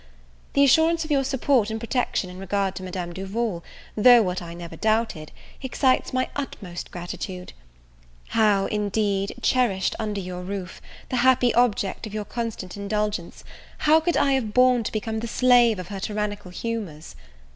The assurance of your support and protection in regard to Madame Duval, though what I never doubted, excites my utmost gratitude. How, indeed, cherished under your roof, the happy object of your constant indulgence, how could I have borne to become the slave of her tyrannical humours?